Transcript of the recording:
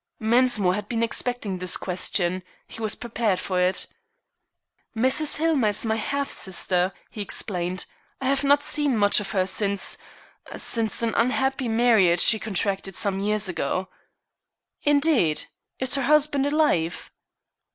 Mensmore had been expecting this question. He was prepared for it. "Mrs. Hillmer is my half sister," he explained. "I have not seen much of her since since an unhappy marriage she contracted some years ago." "Indeed. Is her husband alive?"